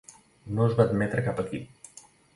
No es va admetre cap equip.